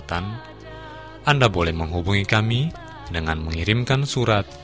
kisah kisah yang terakhir